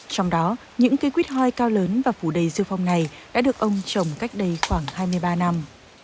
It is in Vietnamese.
trong đó những cây quýt hơi cao lớn và phủ đầy dư phong này đã được ông trồng cách đây khoảng hai mươi ba năm